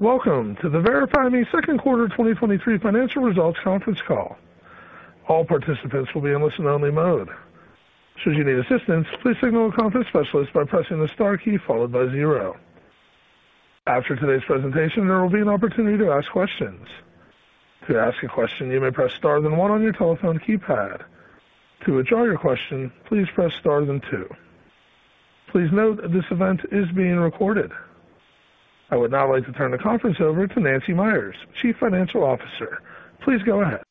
Welcome to the VerifyMe second quarter 2023 financial results conference call. All participants will be in listen-only mode. Should you need assistance, please signal a conference specialist by pressing the star key followed by zero. After today's presentation, there will be an opportunity to ask questions. To ask a question, you may press star then one on your telephone keypad. To withdraw your question, please press star then two. Please note that this event is being recorded. I would now like to turn the conference over to Nancy Meyers, Chief Financial Officer. Please go ahead.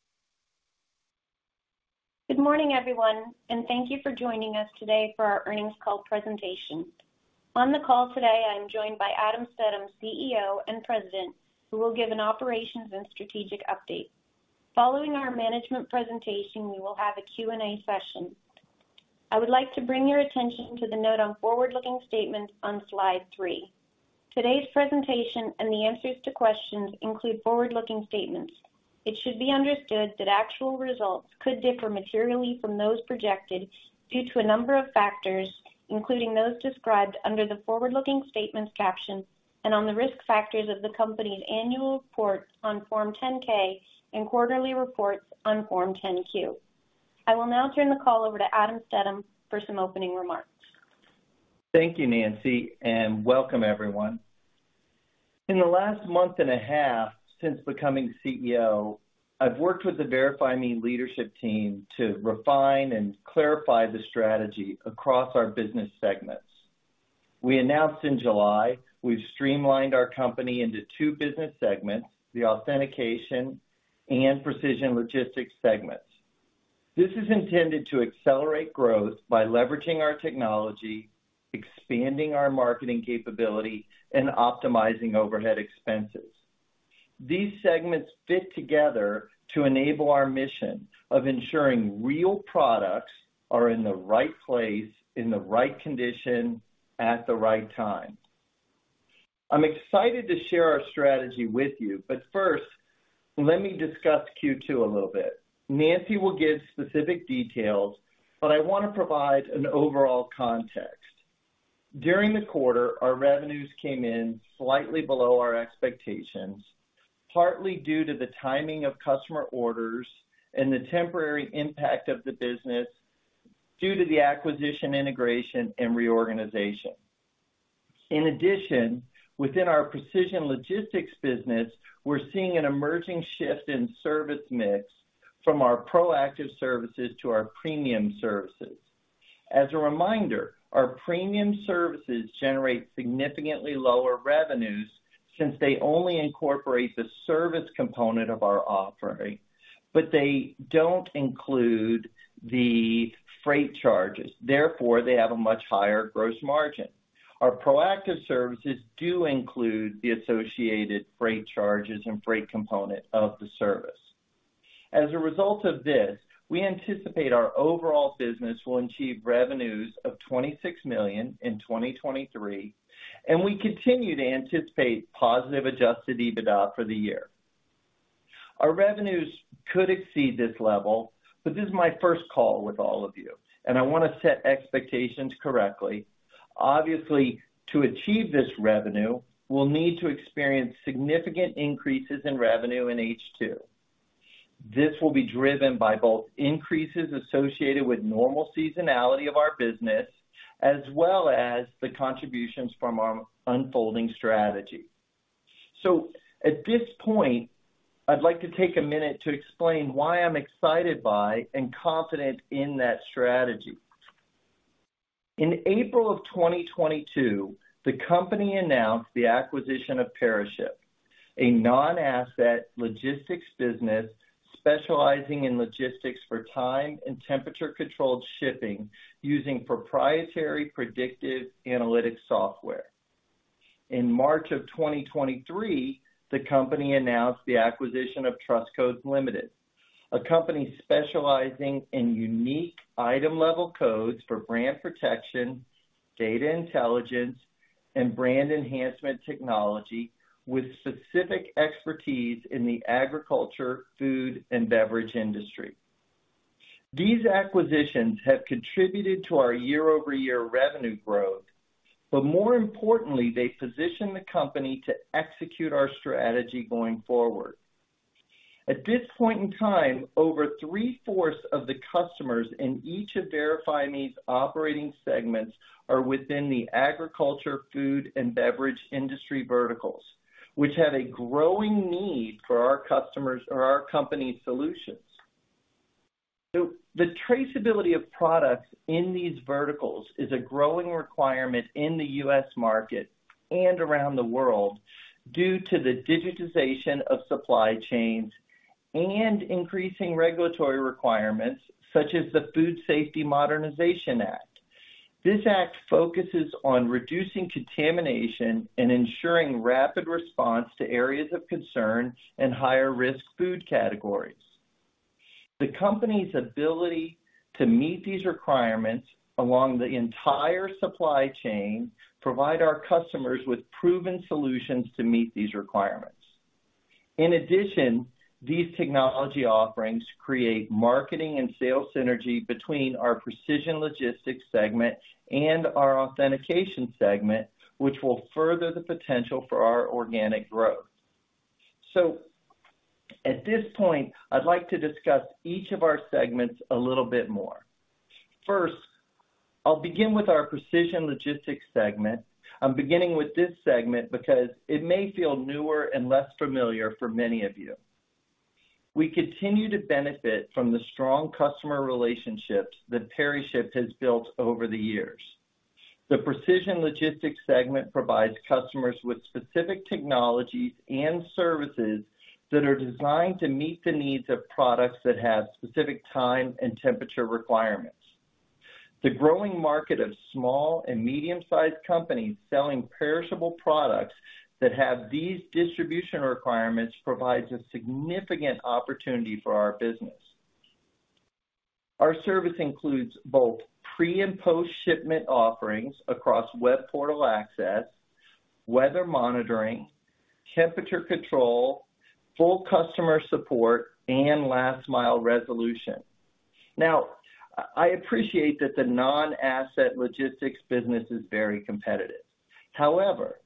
Good morning, everyone, and thank you for joining us today for our earnings call presentation. On the call today, I'm joined by Adam Stedem, CEO and President, who will give an operations and strategic update. Following our management presentation, we will have a Q&A session. I would like to bring your attention to the note on forward-looking statements on slide three. Today's presentation and the answers to questions include forward-looking statements. It should be understood that actual results could differ materially from those projected due to a number of factors, including those described under the forward-looking statements caption and on the risk factors of the company's annual report on Form 10-K and quarterly reports on Form 10-Q. I will now turn the call over to Adam Stedem for some opening remarks. Thank you, Nancy. Welcome everyone. In the last month and a half since becoming CEO, I've worked with the VerifyMe leadership team to refine and clarify the strategy across our business segments. We announced in July, we've streamlined our company into two business segments, the Authentication and Precision Logistics segments. This is intended to accelerate growth by leveraging our technology, expanding our marketing capability, and optimizing overhead expenses. These segments fit together to enable our mission of ensuring real products are in the right place, in the right condition, at the right time. I'm excited to share our strategy with you. First, let me discuss Q2 a little bit. Nancy will give specific details. I want to provide an overall context. During the quarter, our revenues came in slightly below our expectations, partly due to the timing of customer orders and the temporary impact of the business due to the acquisition, integration, and reorganization. In addition, within our Precision Logistics business, we're seeing an emerging shift in service mix from our proactive services to our premium services. As a reminder, our premium services generate significantly lower revenues since they only incorporate the service component of our offering, but they don't include the freight charges. Therefore, they have a much higher gross margin. Our proactive services do include the associated freight charges and freight component of the service. As a result of this, we anticipate our overall business will achieve revenues of $26 million in 2023, and we continue to anticipate positive adjusted EBITDA for the year. Our revenues could exceed this level, but this is my first call with all of you, and I want to set expectations correctly. Obviously, to achieve this revenue, we'll need to experience significant increases in revenue in H2. This will be driven by both increases associated with normal seasonality of our business, as well as the contributions from our unfolding strategy. At this point, I'd like to take a minute to explain why I'm excited by and confident in that strategy. In April of 2022, the company announced the acquisition of PeriShip, a non-asset logistics business specializing in logistics for time and temperature-controlled shipping using proprietary predictive analytics software. In March of 2023, the company announced the acquisition of Trust Codes Global Limited, a company specializing in unique item-level codes for brand protection, data intelligence, and brand enhancement technology, with specific expertise in the agriculture, food, and beverage industry. These acquisitions have contributed to our year-over-year revenue growth, but more importantly, they position the company to execute our strategy going forward. At this point in time, over three-fourths of the customers in each of VerifyMe's operating segments are within the agriculture, food, and beverage industry verticals, which have a growing need for our customers or our company's solutions. The traceability of products in these verticals is a growing requirement in the U.S. market and around the world due to the digitization of supply chains and increasing regulatory requirements, such as the Food Safety Modernization Act. This act focuses on reducing contamination and ensuring rapid response to areas of concern and higher-risk food categories. The company's ability to meet these requirements along the entire supply chain provide our customers with proven solutions to meet these requirements.... In addition, these technology offerings create marketing and sales synergy between our Precision Logistics segment and our Authentication segment, which will further the potential for our organic growth. At this point, I'd like to discuss each of our segments a little bit more. First, I'll begin with our Precision Logistics segment. I'm beginning with this segment because it may feel newer and less familiar for many of you. We continue to benefit from the strong customer relationships that PeriShip has built over the years. The Precision Logistics segment provides customers with specific technologies and services that are designed to meet the needs of products that have specific time and temperature requirements. The growing market of small and medium-sized companies selling perishable products that have these distribution requirements, provides a significant opportunity for our business. Our service includes both pre- and post-shipment offerings across web portal access, weather monitoring, temperature control, full customer support, and last mile resolution. I appreciate that the non-asset logistics business is very competitive. However,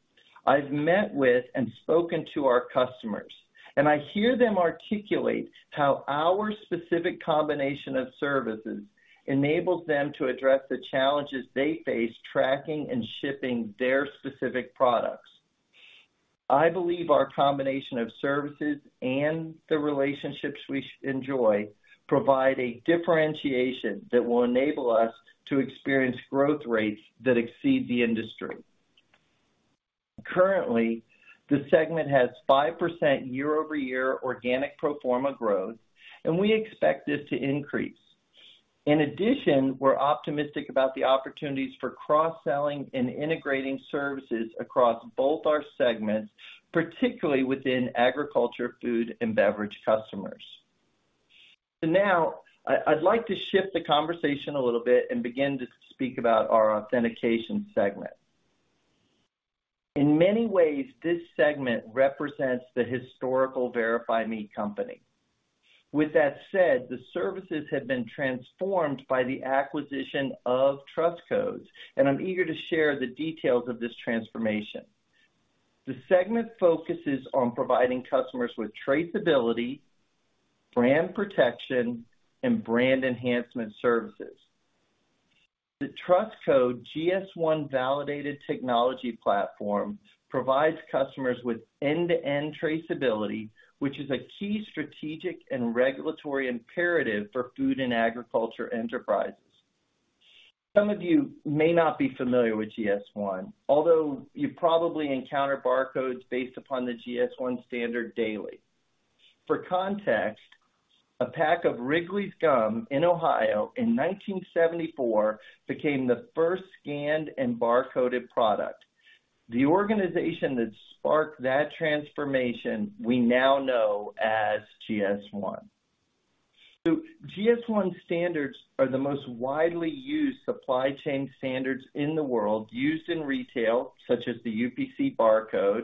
I've met with and spoken to our customers, and I hear them articulate how our specific combination of services enables them to address the challenges they face tracking and shipping their specific products. I believe our combination of services and the relationships we enjoy provide a differentiation that will enable us to experience growth rates that exceed the industry. Currently, the segment has 5% year-over-year organic pro forma growth. We expect this to increase. In addition, we're optimistic about the opportunities for cross-selling and integrating services across both our segments, particularly within agriculture, food, and beverage customers. Now, I'd like to shift the conversation a little bit and begin to speak about our Authentication segment. In many ways, this segment represents the historical VerifyMe company. With that said, the services have been transformed by the acquisition of Trust Codes. I'm eager to share the details of this transformation. The segment focuses on providing customers with traceability, brand protection, and brand enhancement services. The Trust Codes GS1 Validated technology platform provides customers with end-to-end traceability, which is a key strategic and regulatory imperative for food and agriculture enterprises. Some of you may not be familiar with GS1, although you probably encounter barcodes based upon the GS1 standard daily. For context, a pack of Wrigley's Gum in Ohio in 1974 became the first scanned and barcoded product. The organization that sparked that transformation, we now know as GS1. GS1 standards are the most widely used supply chain standards in the world, used in retail, such as the UPC barcode,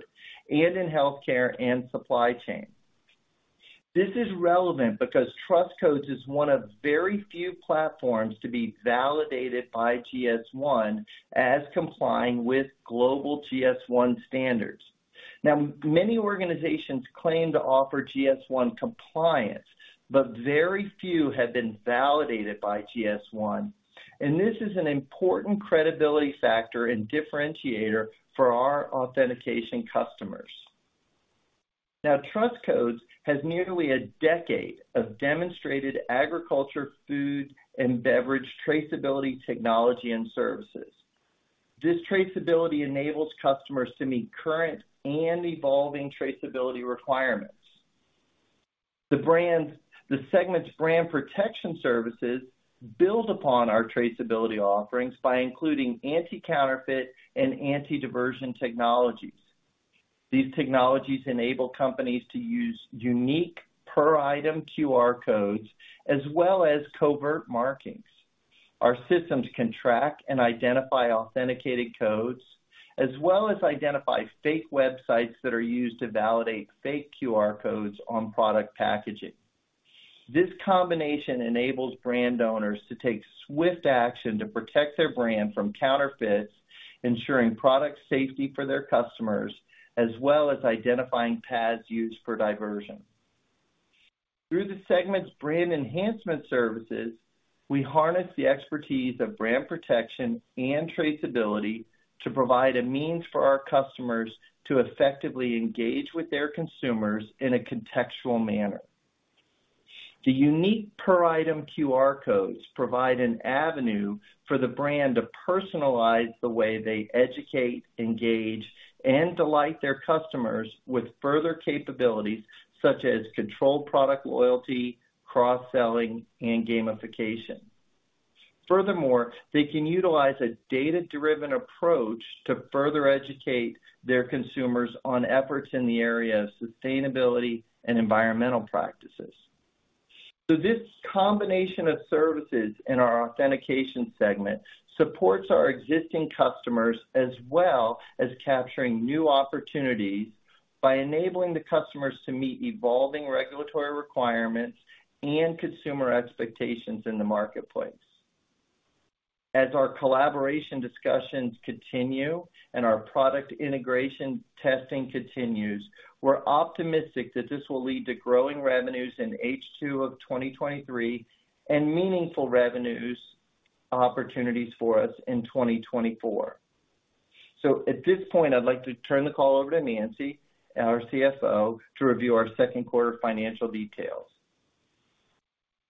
and in healthcare and supply chain. This is relevant because Trust Codes is one of very few platforms to be validated by GS1 as complying with global GS1 standards. Many organizations claim to offer GS1 compliance, but very few have been validated by GS1, and this is an important credibility factor and differentiator for our Authentication customers. Trust Codes has nearly a decade of demonstrated agriculture, food, and beverage traceability, technology, and services. This traceability enables customers to meet current and evolving traceability requirements. The segment's brand protection services build upon our traceability offerings by including anti-counterfeit and anti-diversion technologies. These technologies enable companies to use unique per item QR codes as well as covert markings. Our systems can track and identify authenticated codes, as well as identify fake websites that are used to validate fake QR codes on product packaging. This combination enables brand owners to take swift action to protect their brand from counterfeits, ensuring product safety for their customers, as well as identifying paths used for diversion. Through the segment's brand enhancement services, we harness the expertise of brand protection and traceability to provide a means for our customers to effectively engage with their consumers in a contextual manner. The unique per item QR codes provide an avenue for the brand to personalize the way they educate, engage, and delight their customers with further capabilities such as controlled product loyalty, cross-selling, and gamification. They can utilize a data-driven approach to further educate their consumers on efforts in the area of sustainability and environmental practices. This combination of services in our Authentication segment supports our existing customers, as well as capturing new opportunities by enabling the customers to meet evolving regulatory requirements and consumer expectations in the marketplace. As our collaboration discussions continue and our product integration testing continues, we're optimistic that this will lead to growing revenues in H2 of 2023, and meaningful revenues opportunities for us in 2024. At this point, I'd like to turn the call over to Nancy, our CFO, to review our second quarter financial details.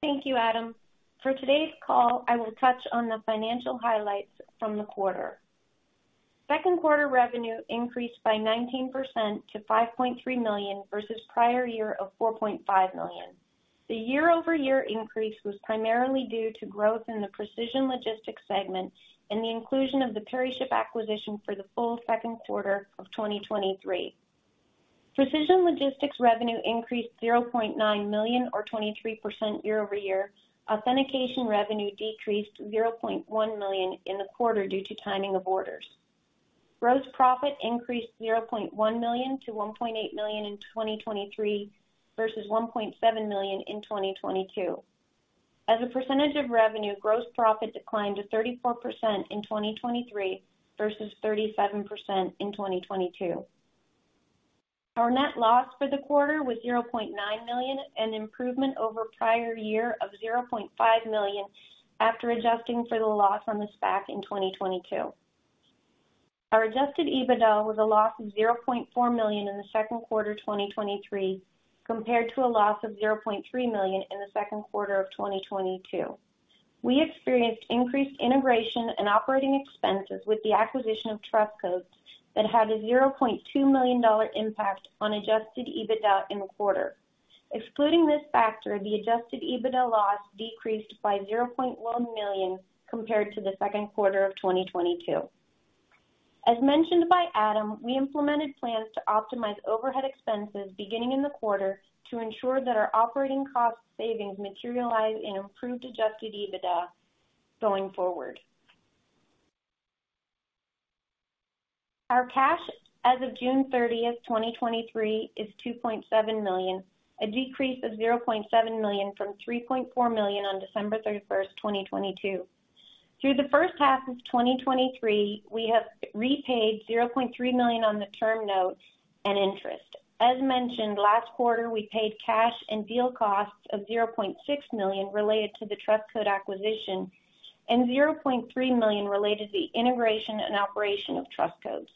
Thank you, Adam. For today's call, I will touch on the financial highlights from the quarter. Second quarter revenue increased by 19%-$5.3 million versus prior year of $4.5 million. The year-over-year increase was primarily due to growth in the Precision Logistics segment and the inclusion of the PeriShip acquisition for the full Second quarter of 2023. Precision Logistics revenue increased $0.9 million or 23% year-over-year. Authentication revenue decreased $0.1 million in the quarter due to timing of orders. Gross profit increased $0.1 million to $1.8 million in 2023 versus $1.7 million in 2022. As a percentage of revenue, gross profit declined to 34% in 2023 versus 37% in 2022. Our net loss for the quarter was $0.9 million, an improvement over prior year of $0.5 million after adjusting for the loss on the SPAC in 2022. Our adjusted EBITDA was a loss of $0.4 million in the second quarter of 2023, compared to a loss of $0.3 million in the second quarter of 2022. We experienced increased integration and operating expenses with the acquisition of Trust Codes that had a $0.2 million impact on adjusted EBITDA in the quarter. Excluding this factor, the adjusted EBITDA loss decreased by $0.1 million compared to the second quarter of 2022. As mentioned by Adam, we implemented plans to optimize overhead expenses beginning in the quarter to ensure that our operating cost savings materialize in improved adjusted EBITDA going forward. Our cash as of June 30, 2023, is $2.7 million, a decrease of $0.7 million from $3.4 million on December 31, 2022. Through the first half of 2023, we have repaid $0.3 million on the term notes and interest. As mentioned, last quarter, we paid cash and deal costs of $0.6 million related to the Trust Codes acquisition and $0.3 million related to the integration and operation of Trust Codes.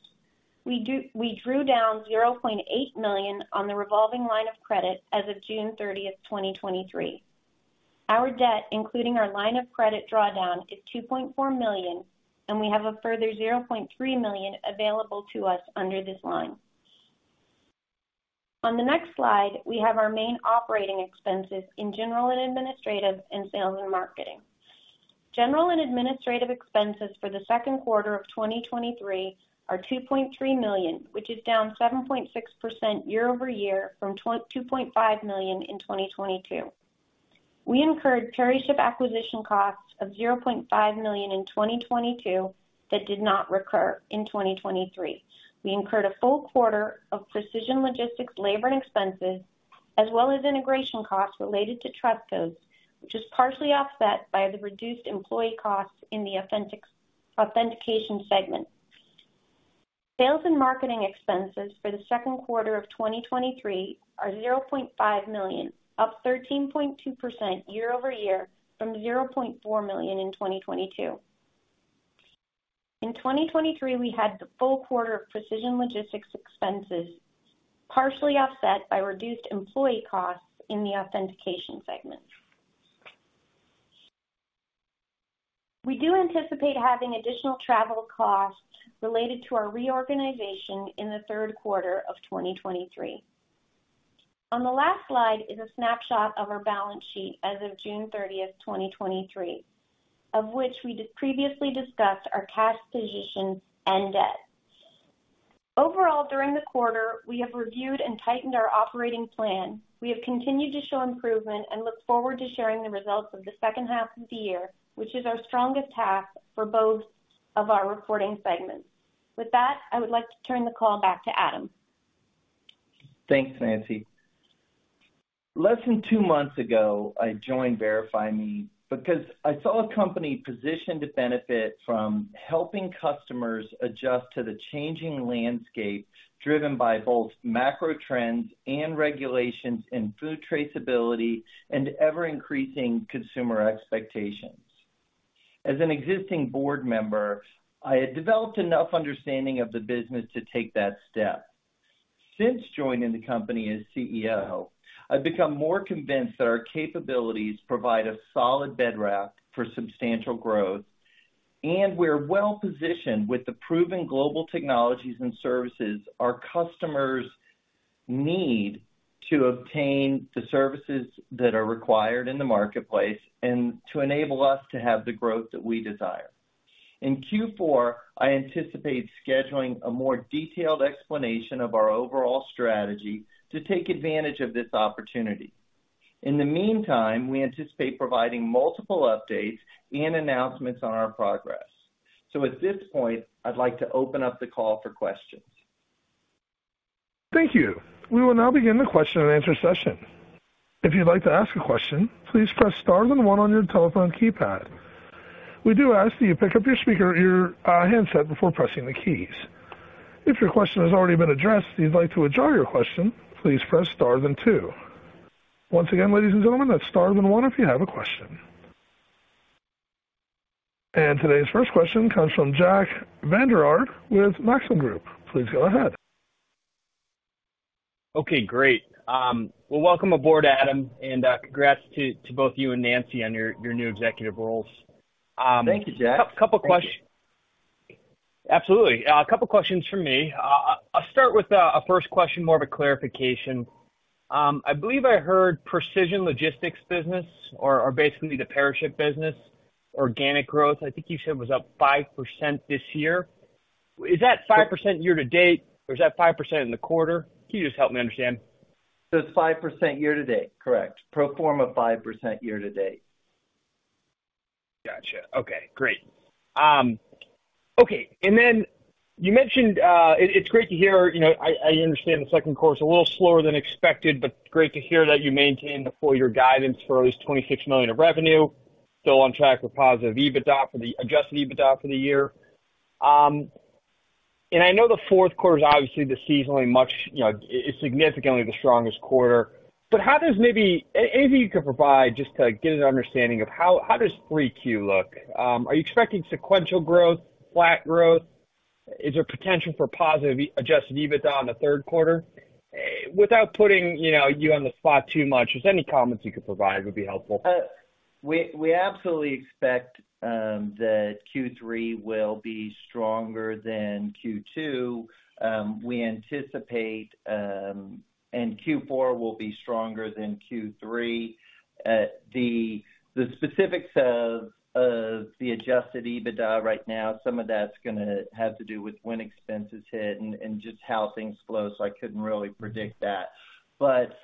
We drew down $0.8 million on the revolving line of credit as of June 30, 2023. Our debt, including our line of credit drawdown, is $2.4 million, and we have a further $0.3 million available to us under this line. On the next slide, we have our main operating expenses in general and administrative and sales and marketing. General and administrative expenses for the second quarter of 2023 are $2.3 million, which is down 7.6% year-over-year from $2.5 million in 2022. We incurred PeriShip acquisition costs of $0.5 million in 2022, that did not recur in 2023. We incurred a full quarter of Precision Logistics, labor, and expenses, as well as integration costs related to Trust Codes, which is partially offset by the reduced employee costs in the Authentication segment. Sales and marketing expenses for the second quarter of 2023 are $0.5 million, up 13.2% year-over-year from $0.4 million in 2022. In 2023, we had the full quarter of Precision Logistics expenses, partially offset by reduced employee costs in the Authentication segment. We do anticipate having additional travel costs related to our reorganization in the third quarter of 2023. On the last slide is a snapshot of our balance sheet as of June 30, 2023, of which we previously discussed our cash position and debt. Overall, during the quarter, we have reviewed and tightened our operating plan. We have continued to show improvement and look forward to sharing the results of the second half of the year, which is our strongest half for both of our reporting segments. With that, I would like to turn the call back to Adam. Thanks, Nancy. Less than two months ago, I joined VerifyMe because I saw a company positioned to benefit from helping customers adjust to the changing landscape, driven by both macro trends and regulations in food traceability and ever-increasing consumer expectations. As an existing board member, I had developed enough understanding of the business to take that step. Since joining the company as CEO, I've become more convinced that our capabilities provide a solid bedrock for substantial growth, and we're well-positioned with the proven global technologies and services our customers need to obtain the services that are required in the marketplace and to enable us to have the growth that we desire. In Q4, I anticipate scheduling a more detailed explanation of our overall strategy to take advantage of this opportunity. In the meantime, we anticipate providing multiple updates and announcements on our progress. At this point, I'd like to open up the call for questions. Thank you. We will now begin the question and answer session. If you'd like to ask a question, please press star then one on your telephone keypad. We do ask that you pick up your speaker or your handset before pressing the keys. If your question has already been addressed, and you'd like to withdraw your question, please press star then two. Once again, ladies and gentlemen, that's star then one if you have a question. Today's first question comes from Jack Vander Aarde with Maxim Group. Please go ahead. Okay, great. well, welcome aboard, Adam, and, congrats to, to both you and Nancy on your, your new executive roles. Thank you, Jack. Couple questions. Absolutely. A couple questions from me. I'll start with a first question, more of a clarification. I believe I heard Precision Logistics business or, or basically the PeriShip business, organic growth, I think you said was up 5% this year. Is that 5% year to date, or is that 5% in the quarter? Can you just help me understand? It's 5% year to date, correct. Pro forma, 5% year to date. Gotcha. Okay, great. It's great to hear, you know, I, I understand the second quarter is a little slower than expected, but great to hear that you maintained the full year guidance for at least $26 million of revenue, still on track with positive adjusted EBITDA for the year. I know the fourth quarter is obviously the seasonally much, you know, it's significantly the strongest quarter. How does maybe if you could provide, just to get an understanding of how, how does 3Q look? Are you expecting sequential growth, flat growth? Is there potential for positive adjusted EBITDA in the third quarter? Without putting, you know, you on the spot too much, just any comments you could provide would be helpful. We, we absolutely expect that Q3 will be stronger than Q2. We anticipate Q4 will be stronger than Q3. The, the specifics of the adjusted EBITDA right now, some of that's gonna have to do with when expenses hit and just how things flow, so I couldn't really predict that.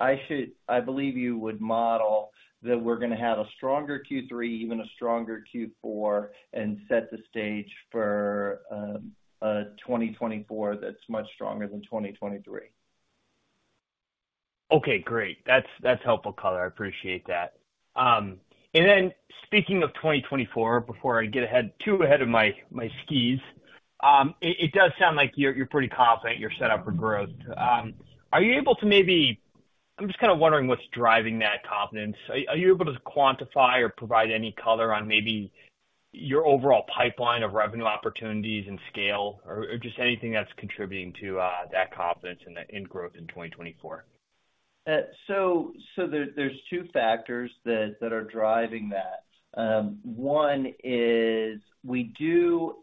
I should-- I believe you would model that we're gonna have a stronger Q3, even a stronger Q4, and set the stage for a 2024 that's much stronger than 2023. Okay, great. That's, that's helpful color. I appreciate that. And then speaking of 2024, before I get ahead, too ahead of my, my skis, it, it does sound like you're, you're pretty confident you're set up for growth. Are you able to maybe, I'm just kind of wondering what's driving that confidence. Are, are you able to quantify or provide any color on maybe your overall pipeline of revenue opportunities and scale, or, or just anything that's contributing to that confidence in the- in growth in 2024? There's, there's two factors that, that are driving that. One is we do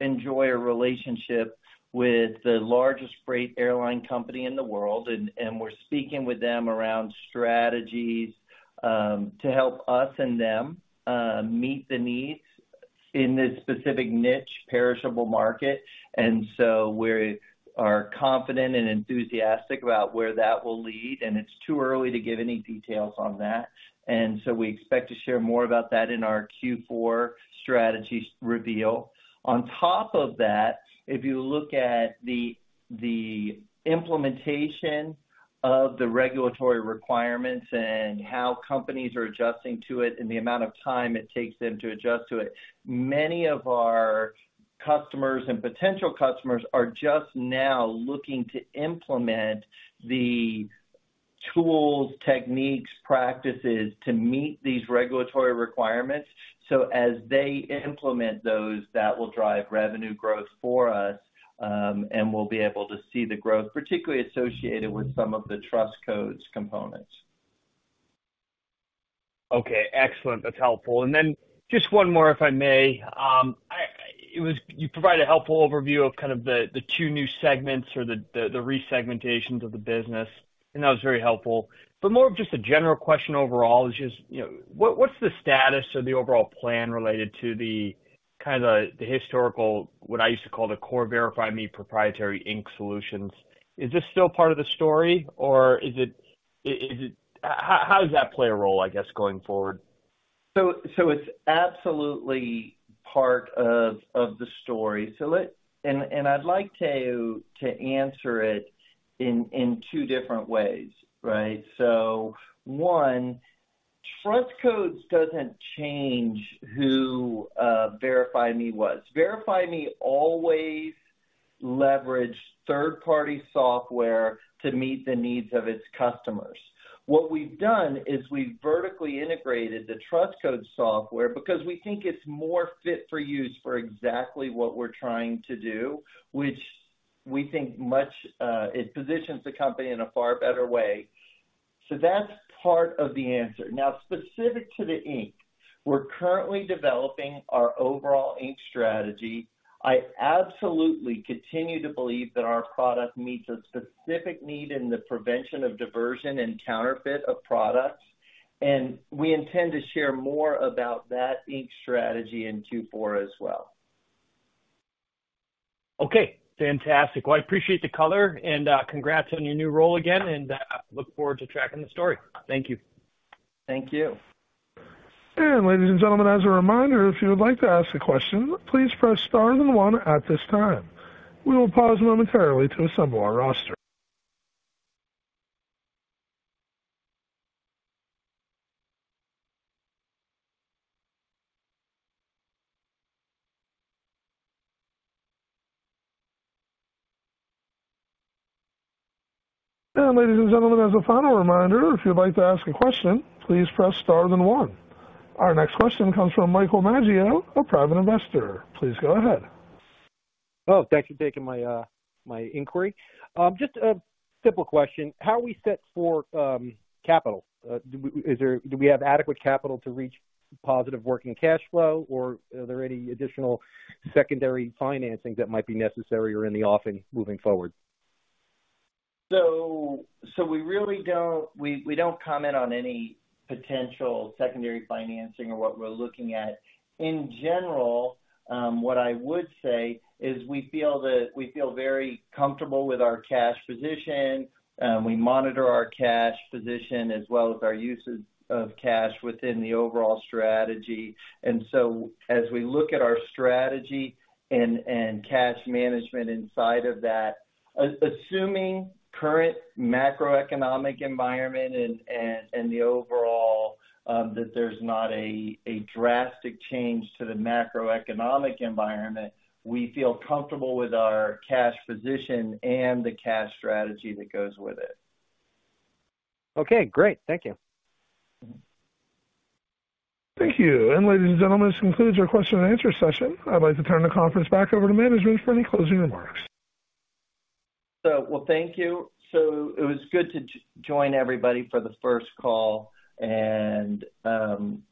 enjoy a relationship with the largest freight airline company in the world, and, and we're speaking with them around strategies to help us and them meet the needs in this specific niche, perishable market. We're confident and enthusiastic about where that will lead, and it's too early to give any details on that, and so we expect to share more about that in our Q4 strategy reveal. On top of that, if you look at the, the implementation of the regulatory requirements and how companies are adjusting to it and the amount of time it takes them to adjust to it, many of our customers and potential customers are just now looking to implement the tools, techniques, practices to meet these regulatory requirements. as they implement those, that will drive revenue growth for us, and we'll be able to see the growth, particularly associated with some of the Trust Codes components. Okay, excellent. That's helpful. Then just one more, if I may. You provided a helpful overview of kind of the two new segments or the resegmentations of the business, and that was very helpful. More of just a general question overall is just, you know, what, what's the status of the overall plan related to the kind of the historical, what I used to call the core VerifyMe proprietary ink solutions? Is this still part of the story, or is it, how does that play a role, I guess, going forward? It's absolutely part of, of the story. I'd like to, to answer it in, in two different ways, right? One, Trust Codes doesn't change who VerifyMe was. VerifyMe always leveraged third-party software to meet the needs of its customers. What we've done is we've vertically integrated the Trust Codes software because we think it's more fit for use for exactly what we're trying to do, which we think much, it positions the company in a far better way. That's part of the answer. Now, specific to the ink, we're currently developing our overall ink strategy. I absolutely continue to believe that our product meets a specific need in the prevention of diversion and counterfeit of products, and we intend to share more about that ink strategy in Q4 as well. Okay, fantastic. Well, I appreciate the color and congrats on your new role again and look forward to tracking the story. Thank you. Thank you. Ladies and gentlemen, as a reminder, if you would like to ask a question, please press star then one at this time. We will pause momentarily to assemble our roster. Ladies and gentlemen, as a final reminder, if you'd like to ask a question, please press star then one. Our next question comes from Michael Maggio, a private investor. Please go ahead. Oh, thanks for taking my, my inquiry. Just a simple question, how are we set for capital? Do we have adequate capital to reach positive working cash flow, or are there any additional secondary financing that might be necessary or in the offing moving forward? So we really don't, we, we don't comment on any potential secondary financing or what we're looking at. In general, what I would say is we feel that we feel very comfortable with our cash position, and we monitor our cash position as well as our uses of cash within the overall strategy. So as we look at our strategy and, and cash management inside of that, assuming current macroeconomic environment and, and, and the overall, that there's not a, a drastic change to the macroeconomic environment, we feel comfortable with our cash position and the cash strategy that goes with it. Okay, great. Thank you. Thank you. Ladies and gentlemen, this concludes our question and answer session. I'd like to turn the conference back over to management for any closing remarks. Well, thank you. It was good to join everybody for the first call, and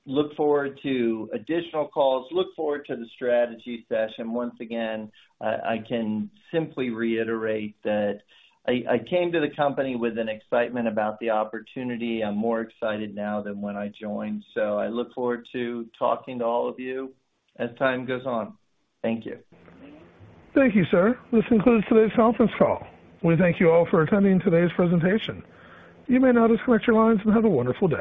look forward to additional calls, look forward to the strategy session. Once again, I, I can simply reiterate that I, I came to the company with an excitement about the opportunity. I'm more excited now than when I joined, so I look forward to talking to all of you as time goes on. Thank you. Thank you, sir. This concludes today's conference call. We thank you all for attending today's presentation. You may now disconnect your lines and have a wonderful day.